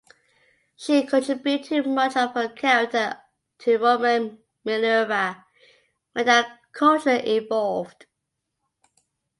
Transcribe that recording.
She contributed much of her character to Roman Minerva, when that culture evolved.